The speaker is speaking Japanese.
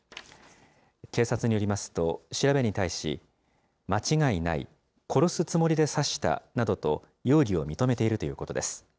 警察によりますと、調べに対し、間違いない、殺すつもりで刺したなどと容疑を認めているということです。